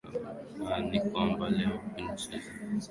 a ni kwamba leo kunachezwa mechi za ligi ya uropa huko ulaya